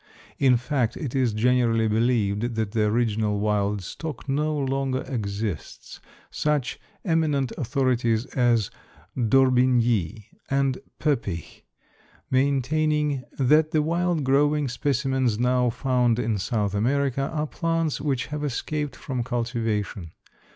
In fact it is generally believed that the original wild stock no longer exists; such eminent authorities as D'Orbigny and Poeppig maintaining that the wild growing specimens now found in South America are plants which have escaped from cultivation.